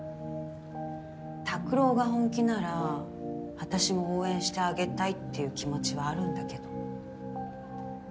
拓郎が本気なら私も応援してあげたいっていう気持ちはあるんだけど。